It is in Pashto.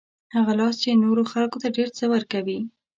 هغه لاس چې نورو خلکو ته ډېر څه ورکوي.